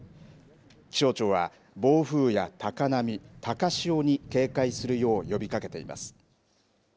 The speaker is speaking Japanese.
気象庁は、暴風や高波、高潮に警戒するよう呼びかけています。